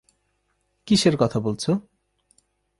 কিসের কথা বলছো?